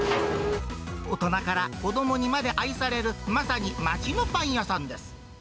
大人から子どもにまで愛される、まさに街のパン屋さんです。